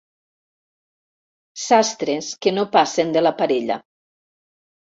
Sastres que no passen de la parella.